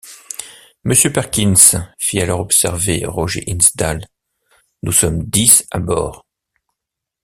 Monsieur Perkins, fit alors observer Roger Hinsdale, nous sommes dix à bord...